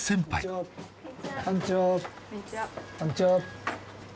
こんにちは。